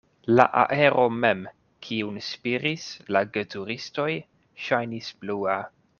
La aero mem, kiun spiris la geturistoj, ŝajnis blua.